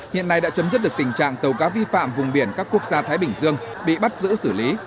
hiện nay đã chấm dứt được tình trạng tàu cá vi phạm vùng biển các quốc gia thái bình dương bị bắt giữ xử lý